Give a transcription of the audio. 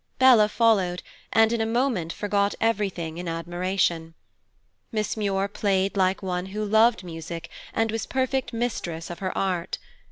Bella followed, and in a moment forgot everything in admiration. Miss Muir played like one who loved music and was perfect mistress of her art.